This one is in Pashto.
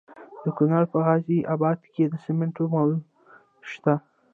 د کونړ په غازي اباد کې د سمنټو مواد شته.